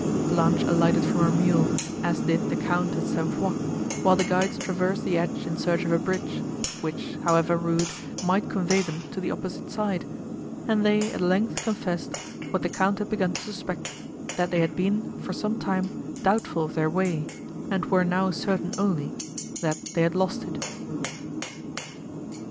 Blanche alighted from her mule, as did the Count and St. Foix, while the guides traversed the edge in search of a bridge, which, however rude, might convey them to the opposite side, and they, at length, confessed, what the Count had begun to suspect, that they had been, for some time, doubtful of their way, and were now certain only, that they had lost it.